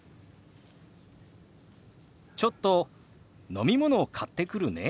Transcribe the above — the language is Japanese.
「ちょっと飲み物買ってくるね」。